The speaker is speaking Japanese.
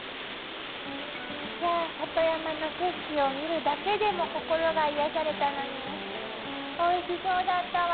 いやあ里山の景色を見るだけでも心が癒やされたのにおいしそうだったわ。